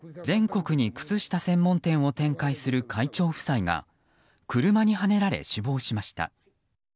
全国に靴下専門店を展開する会長夫妻が車にはねられ死亡しました。